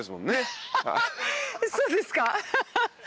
そうですか？